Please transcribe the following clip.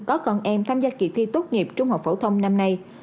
có con em tham gia kỳ thi tốt nghiệp trung học phổ thông năm nay